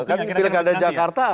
karena kan pilgada jakarta